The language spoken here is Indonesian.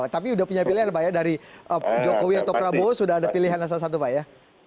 tapi sudah punya pilihan pak ya dari jokowi atau prabowo sudah ada pilihan yang salah satu pak ya